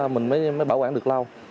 mình mới bảo quản được lâu